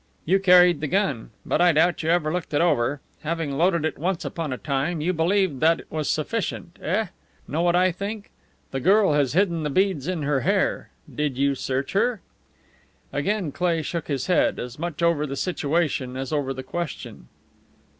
"You carried the gun, but I doubt you ever looked it over. Having loaded it once upon a time, you believed that was sufficient, eh? Know what I think? The girl has hidden the beads in her hair. Did you search her?" Again Cleigh shook his head, as much over the situation as over the question.